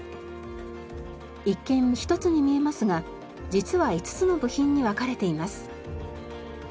一見１つに見えますが実は５つの部品に分かれています。